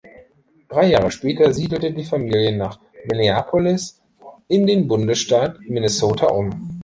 Drei Jahre später siedelte die Familie nach Minneapolis in den Bundesstaat Minnesota um.